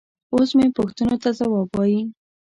اوس مې پوښتنو ته ځواب وايي.